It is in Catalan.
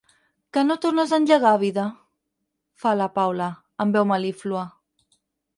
Que no tornes a engegar, vida? –fa la Paula, amb veu mel·líflua–.